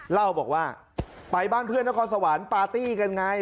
เล่าบอกว่าไปบ้านเพื่อนนครสวรรค์ปาร์ตี้กันไง